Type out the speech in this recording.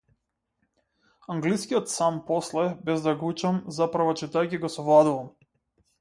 Англискиот сам после, без да го учам, заправо читајќи, го совладував.